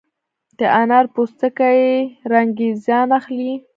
د انارو پوستکي رنګریزان اخلي؟